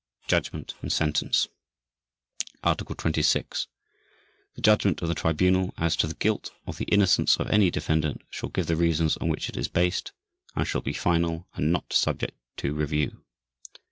JUDGMENT AND SENTENCE Article 26. The judgment of the Tribunal as to the guilt or the innocence of any defendant shall give the reasons on which it is based, and shall be final and not subject to review.